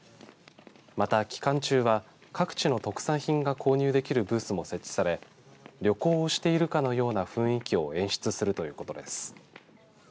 また、期間中は各地の特産品が購入できるブースも設置され旅行をしているかのような雰囲気を演出するということです。